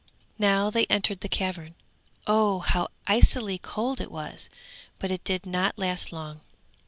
Now they entered the cavern. Oh, how icily cold it was; but it did not last long.